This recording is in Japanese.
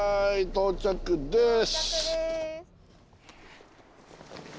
到着です。